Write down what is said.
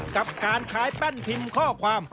กับการใช้แป้นพิมพ์ข้อความ